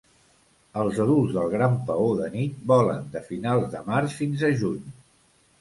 Els adults del gran paó de nit volen de finals de març fins a juny.